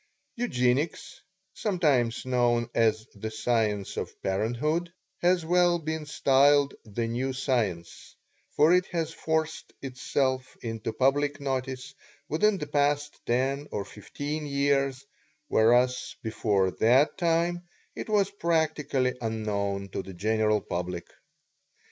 Eugenics, sometimes known as the Science of Parenthood, has well been styled "the New Science," for it has forced itself into public notice within the past ten or fifteen years, whereas before that time it was practically unknown to the general public.